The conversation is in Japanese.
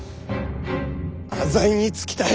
浅井につきたい。